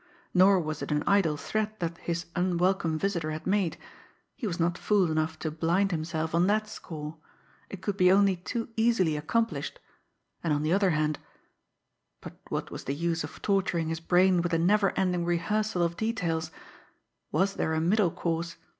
Nor was it an idle threat that his unwelcome visitor had made. He was not fool enough to blind himself on that score it could be only too easily accomplished. And on the other hand but what was the use of torturing his brain with a never ending rehearsal of details? Was there a middle course?